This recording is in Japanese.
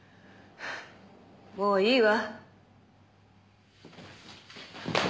もういいわ。